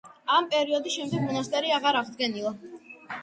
ამ პერიოდის შემდეგ მონასტერი აღარ აღდგენილა.